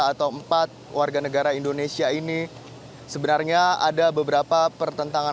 atau empat warga negara indonesia ini sebenarnya ada beberapa pertentangan